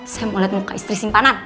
saya mau lihat muka istri simpanan